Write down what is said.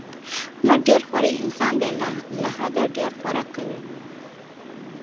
احمد ډېر خوری انسان دی، له حده ډېر خوراک کوي.